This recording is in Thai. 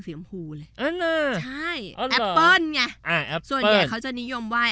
สีชมพูเลยใช่อ่าแอปเปิลไงอ่าแอปเปิลเสริญใหญ่เขาจะนิยมว่าย